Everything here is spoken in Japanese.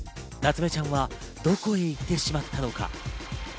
なつめちゃんはどこへ行ってしまったのか。